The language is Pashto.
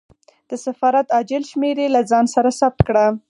د سفارت عاجل شمېرې له ځان سره ثبت کړه.